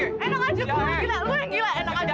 enak aja gue yang gila enak aja